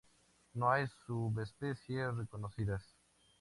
No hay subespecies reconocidas.